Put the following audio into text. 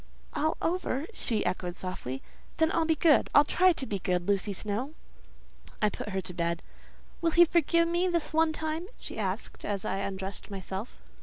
"All over!" she echoed softly; "then I'll be good. I'll try to be good, Lucy Snowe." I put her to bed. "Will he forgive me this one time?" she asked, as I undressed myself.